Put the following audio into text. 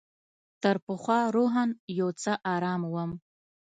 تر پخوا روحاً یو څه آرام وم.